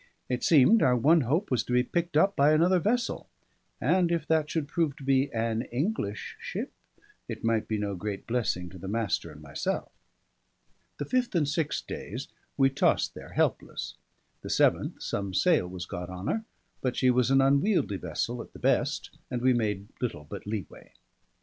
It seemed, our one hope was to be picked up by another vessel; and if that should prove to be an English ship, it might be no great blessing to the Master and myself. The fifth and sixth days we tossed there helpless. The seventh some sail was got on her, but she was an unwieldy vessel at the best, and we made little but leeway.